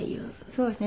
そうですね。